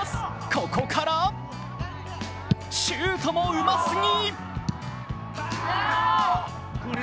ここからシュートもうますぎ。